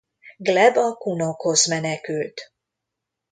Gleb a kunokhoz menekült.